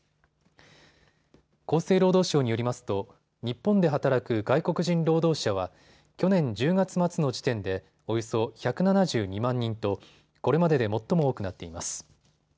厚生労働省によりますと日本で働く外国人労働者は去年１０月末の時点でおよそ１７２万人とこれまでで最も多くなっています。